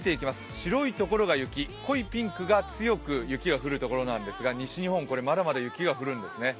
白い所が雪濃いピンクが強く雪が降るところなんですが、西日本、まだまだ雪が降るんですね。